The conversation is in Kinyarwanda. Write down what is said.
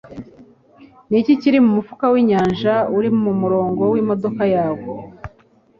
niki kiri mumufuka winyanja uri mumurongo wimodoka yawe